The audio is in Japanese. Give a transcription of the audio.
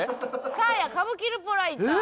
サーヤ「歌舞伎ルポライター」。